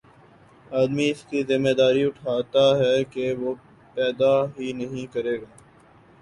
آدمی اس کی ذمہ داری اٹھاتا ہے کہ وہ پیدا ہی نہیں کرے گا